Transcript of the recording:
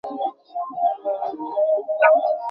কিম্বলের ছেলে মারা গেছে।